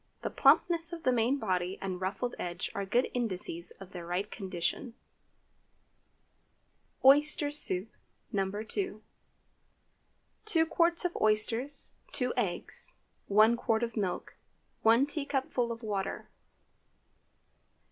The plumpness of the main body and ruffled edge are good indices of their right condition. OYSTER SOUP (No. 2). 2 qts. of oysters. 2 eggs. 1 qt. of milk. 1 teacupful of water.